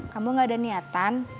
kamu gak ada niatan